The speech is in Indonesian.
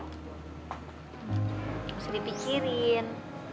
nggak usah dipikirin